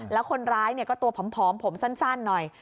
แล้วคนร้ายก็ตัวผอมผมสั้นหน่อย